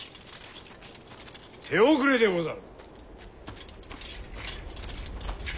手遅れでござる。